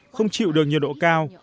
không chịu được nhiệt độ cao